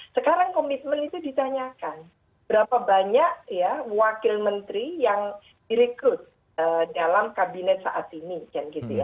sekarang komitmen itu ditanyakan berapa banyak ya wakil menteri yang direkrut dalam kabinet saat ini